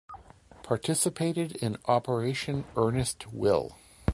Participated in Operation Earnest Will.